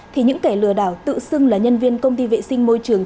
thì những kẻ lừa đảo tự xưng là nhân viên công ty vệ sinh môi trường